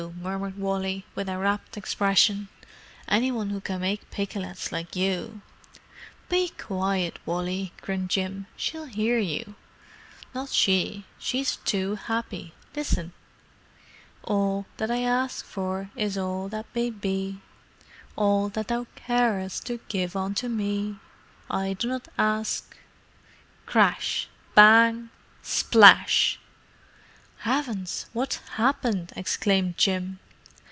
murmured Wally, with a rapt expression. "Any one who can make pikelets like you——" "Be quiet, Wally," grinned Jim. "She'll hear you." "Not she—she's too happy. Listen." "'All that I a a sk for is all that may be, All that thou ca a a rest to give unto me! I do not ask'"—— Crash! Bang! Splash! "Heavens, what's happened!" exclaimed Jim.